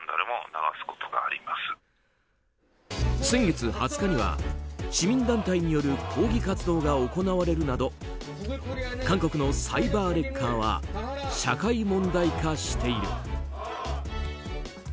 先月２０日には市民団体による抗議活動が行われるなど韓国のサイバーレッカーは社会問題化している。